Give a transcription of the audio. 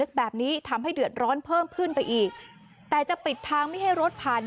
แบบนี้ทำให้เดือดร้อนเพิ่มขึ้นไปอีกแต่จะปิดทางไม่ให้รถผ่าน